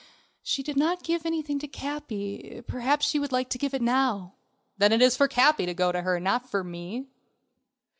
"She did not give anything to Capi, perhaps she would like to give it now." "Then it is for Capi to go to her, not for me."